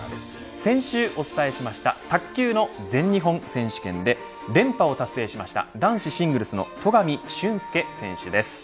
先週お伝えした卓球の全日本選手権で連覇を達成しました男子シングルスの戸上隼輔選手です。